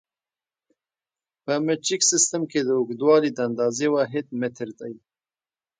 په مټریک سیسټم کې د اوږدوالي د اندازې واحد متر دی.